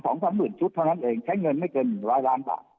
สามหมื่นชุดเท่านั้นเองใช้เงินไม่เกินหนึ่งร้อยล้านบาท